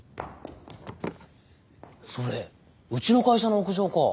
それうちの会社の屋上か。